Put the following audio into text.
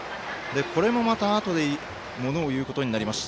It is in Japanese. これもまた、あとでものをいうことになります。